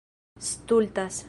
stultas